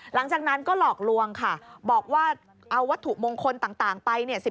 หลังจากนั้นก็หลอกลวงค่ะบอกว่าเอาวัตถุมงคลต่างไปเนี่ย